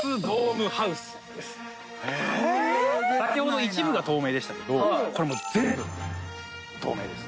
先ほど一部が透明でしたけどこれもう全部透明です。